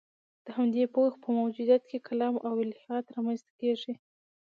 د همدې پوهو په موجودیت کې کلام او الهیات رامنځته کېږي.